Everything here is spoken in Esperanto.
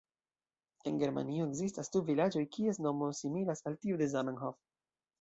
En Germanio ekzistas du vilaĝoj, kies nomo similas al tiu de "Zamenhof".